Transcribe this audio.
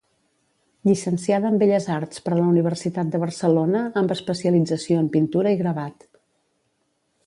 Llicenciada en Belles Arts per la Universitat de Barcelona amb especialització en pintura i gravat.